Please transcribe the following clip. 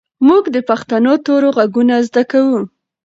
موږ د پښتو تورو غږونه زده کوو.